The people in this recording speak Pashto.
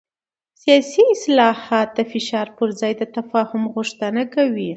سیاسي اصلاحات د فشار پر ځای د تفاهم غوښتنه کوي